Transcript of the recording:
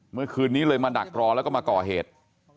เมื่อคืนนี้เลยมาดักรอแล้วก็มาก่อเหตุ